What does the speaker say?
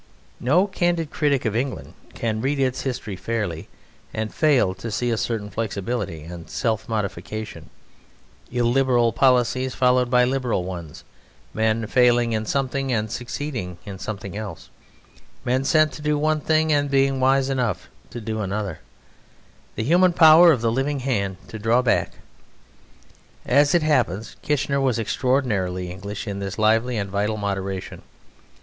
No candid critic of England can read its history fairly and fail to see a certain flexibility and self modification; illiberal policies followed by liberal ones; men failing in something and succeeding in something else; men sent to do one thing and being wise enough to do another; the human power of the living hand to draw back. As it happens, Kitchener was extraordinarily English in this lively and vital moderation.